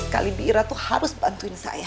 sekali bi ira tuh harus bantuin saya